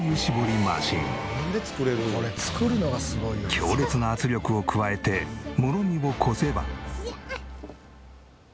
強烈な圧力を加えてもろみをこせば。